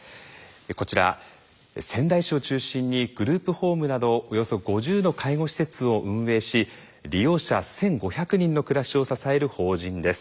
こちら仙台市を中心にグループホームなどおよそ５０の介護施設を運営し利用者１，５００人の暮らしを支える法人です。